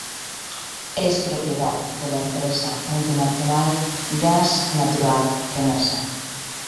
Es propiedad de la empresa multinacional Gas Natural Fenosa.